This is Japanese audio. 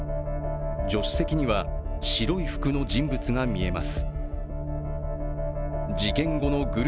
助手席には白い服の人物が見えます。